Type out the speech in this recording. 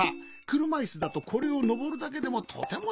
くるまいすだとこれをのぼるだけでもとてもたいへんなんじゃぞ。